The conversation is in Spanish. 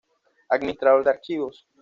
Administrador de archivos